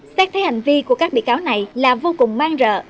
xét thấy hành vi của các bị cáo này là vô cùng man rợ